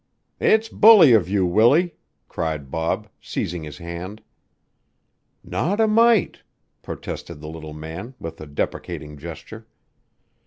"It's bully of you, Willie!" cried Bob, seizing his hand. "Not a mite," protested the little man, with a deprecating gesture.